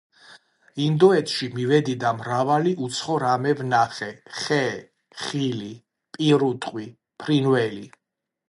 ინდოეთში მივედი და მრავალი უცხო რამე ვნახე: ხე, ხილი, პირუტყვი, ფრინველი